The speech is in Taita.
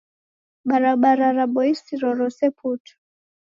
Barabara raboisiro rose putu